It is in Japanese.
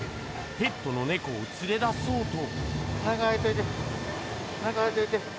ペットの猫を連れ出そうと。